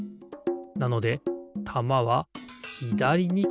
なのでたまはひだりにころがる。